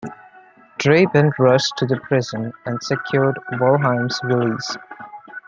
Dreben rushed to the prison and secured Wolheim's release.